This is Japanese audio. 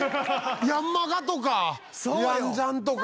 『ヤンマガ』とか『ヤンジャン』とか。